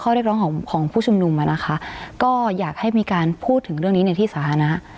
เรียกร้องของของผู้ชุมนุมอ่ะนะคะก็อยากให้มีการพูดถึงเรื่องนี้ในที่สาธารณะ